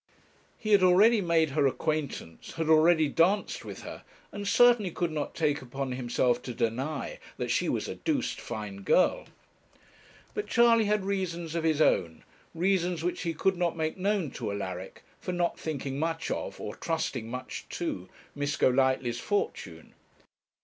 He had already made her acquaintance, had already danced with her, and certainly could not take upon himself to deny that she was a 'doosed fine girl.' But Charley had reasons of his own, reasons which he could not make known to Alaric, for not thinking much of, or trusting much to, Miss Golightly's fortune.